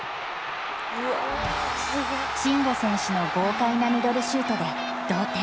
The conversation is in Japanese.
慎吾選手の豪快なミドルシュートで同点。